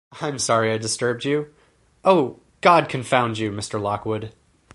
I’m sorry I disturbed you. Oh, God confound you, Mr. Lockwood!